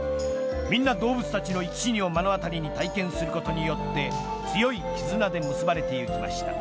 みんな動物たちの生き死にを目の当たりにして体験することで強い絆で結ばれていきました。